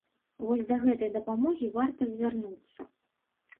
Вось да гэтай дапамогі варта звярнуцца.